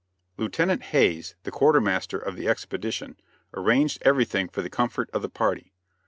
Lieutenant Hayes, the quartermaster of the expedition, arranged everything for the comfort of the party.